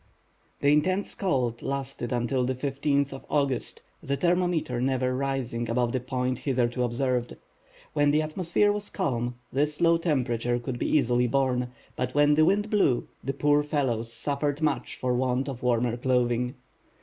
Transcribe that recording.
The intense cold lasted until the 15th of August, the thermometer never rising above the point hitherto observed. When the atmosphere was calm this low temperature could be easily borne; but when the wind blew, the poor fellows suffered much for want of warmer clothing.